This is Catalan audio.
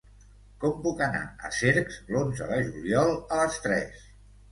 Com puc anar a Cercs l'onze de juliol a les tres?